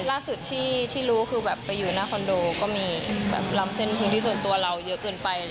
ล่าสุดที่รู้คือแบบไปอยู่หน้าคอนโดก็มีแบบลำเส้นพื้นที่ส่วนตัวเราเยอะเกินไป